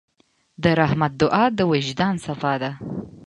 د رحمت دعا د وجدان صفا ده.